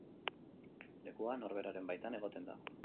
Lekua norberaren baitan egoten da.